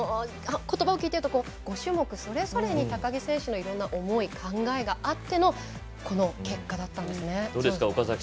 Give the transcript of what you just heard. ことばを聞いていると５種目それぞれに高木選手のいろんな思い、考えがあってのどうですか？